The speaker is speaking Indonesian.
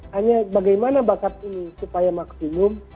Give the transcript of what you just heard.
hanya bagaimana bakat ini supaya maksimum